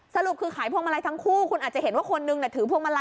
สรุปคือขายพวงมาลัยทั้งคู่คุณอาจจะเห็นว่าคนนึงถือพวงมาลัย